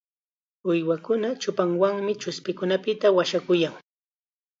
Uywakuna chupanwanmi chuspikunapita washakuyan.